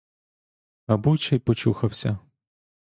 Мабуть, ще й почухався.